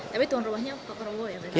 tapi tuan rewahnya pak prabowo ya